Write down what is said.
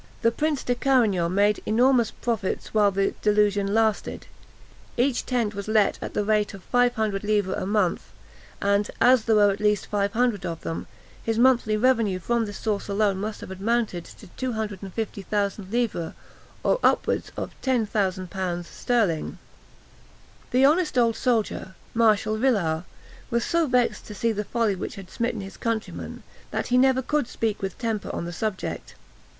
The Prince de Carignan made enormous profits while the delusion lasted. Each tent was let at the rate of five hundred livres a month; and, as there were at least five hundred of them, his monthly revenue from this source alone must have amounted to 250,000 livres, or upwards of 10,000l. sterling. [Illustration: HOTEL DE SOISSONS.] The honest old soldier, Marshal Villars, was so vexed to see the folly which had smitten his countrymen, that he never could speak with temper on the subject.